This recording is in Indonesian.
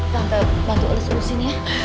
tante bantu alis alisin ya